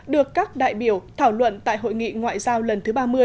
được các đại biểu thảo luận tại hội nghị ngoại giao lần thứ ba mươi